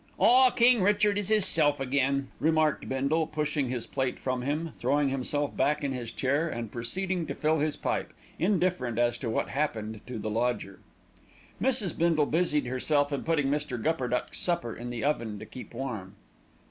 "Ah! King Richard is 'isself again!" remarked Bindle, pushing his plate from him, throwing himself back in his chair, and proceeding to fill his pipe, indifferent as to what happened to the lodger. Mrs. Bindle busied herself in putting Mr. Gupperduck's supper in the oven to keep warm.